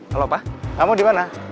halo pak kamu dimana